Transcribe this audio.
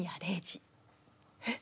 えっ？